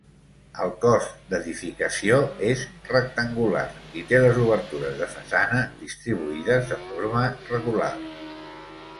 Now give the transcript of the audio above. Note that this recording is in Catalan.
El cos d'edificació és rectangular i té les obertures de façana distribuïdes de forma regular.